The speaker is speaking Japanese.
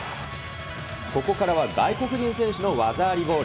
ここからは外国人選手の技ありゴール。